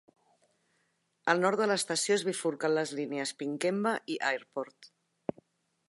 Al nord de l'estació es bifurquen les línies Pinkenba i Airport.